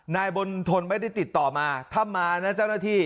นายบนทนไม่ได้ติดต่อมาถ้ามานะเจ้าหน้าที่